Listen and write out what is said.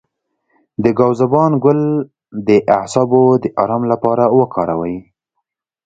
د ګاو زبان ګل د اعصابو د ارام لپاره وکاروئ